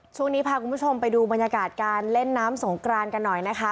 ช่วงนี้พาคุณผู้ชมไปดูบรรยากาศการเล่นน้ำสงกรานกันหน่อยนะคะ